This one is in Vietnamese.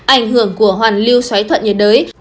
ảnh hưởng của hoàn lưu xoáy thuận nhiệt đới